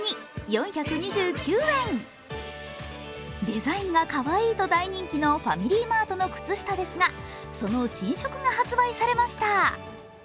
デザインがかわいいと大人気のファミリーマートの靴下ですが、その新色が発売されました。